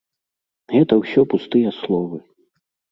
Гэта ўсё пустыя словы.